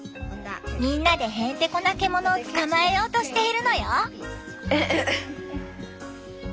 みんなでへんてこな獣を捕まえようとしているのよ。